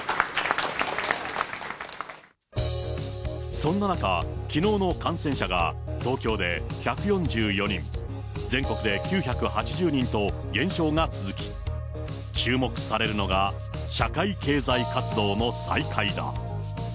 そんな中、きのうの感染者が東京で１４４人、全国で９８０人と減少が続き、注目されるのが社会経済活動の再開だ。